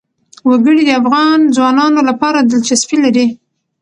وګړي د افغان ځوانانو لپاره دلچسپي لري.